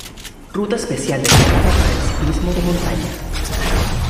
Ruta especial dedicada para el ciclismo de montaña.